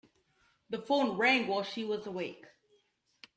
The phone rang while she was awake.